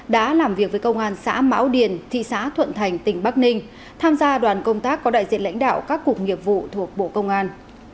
đã làm việc với công an xã mão điền thị xã thuận thành tỉnh bắc ninh tham gia đoàn công tác có đại diện lãnh đạo các cục nghiệp vụ thuộc bộ công an